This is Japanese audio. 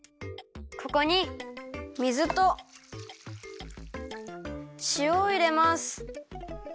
ここに水としおをいれます。